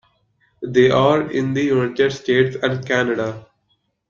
They are in the United States and Canada.